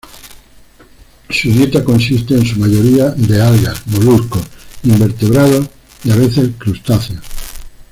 Su dieta consiste en su mayoría de algas, moluscos, invertebrados y a veces crustáceos.